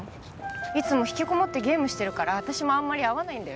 いつも引きこもってゲームしてるから私もあんまり会わないんだよね。